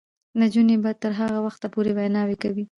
نجونې به تر هغه وخته پورې ویناوې کوي.